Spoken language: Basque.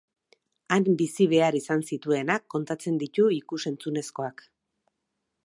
Han bizi behar izan zituenak kontatzen ditu ikus-entzunezkoak.